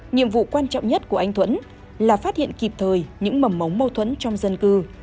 nhiệm vụ quan trọng nhất của anh thuẫn là phát hiện kịp thời những mầm mống mâu thuẫn trong dân cư